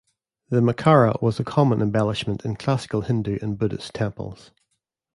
The Makara was a common embellishment in classical Hindu and Buddhist temples.